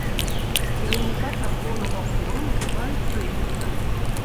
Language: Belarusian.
Кіраўніка царкоўнага хору называюць рэгентам.